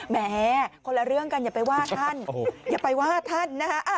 แหมคนละเรื่องกันอย่าไปว่าท่านอย่าไปว่าท่านนะฮะ